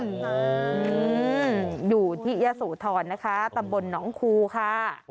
อืมอยู่ที่ยะโสธรนะคะตำบลหนองคูค่ะ